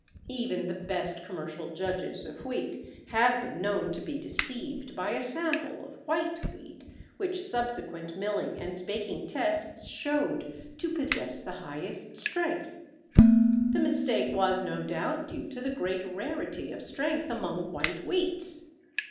Even the best commercial judges of wheat have been known to be deceived by a sample of white wheat which subsequent milling and baking tests showed to possess the highest strength. The mistake was no doubt due to the great rarity of strength among white wheats.